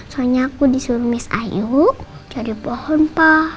soalnya aku disuruh miss ayu jadi pohon pa